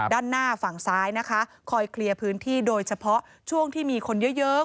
ด้านหน้าฝั่งซ้ายนะคะคอยเคลียร์พื้นที่โดยเฉพาะช่วงที่มีคนเยอะเยอะ